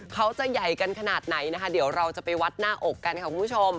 เขาจะใหญ่กันขนาดไหนนะคะเดี๋ยวเราจะไปวัดหน้าอกกันค่ะคุณผู้ชม